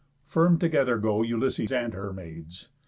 Firm together go Ulysses and her maids.